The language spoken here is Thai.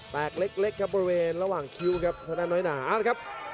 เล็กครับบริเวณระหว่างคิ้วครับธนาน้อยหนานะครับ